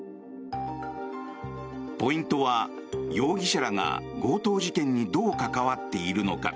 ポイントは容疑者らが強盗事件にどう関わっているのか。